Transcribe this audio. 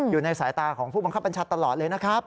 อยู่ในสายตาของผู้บังคับบัญชาตลอดเลยนะครับ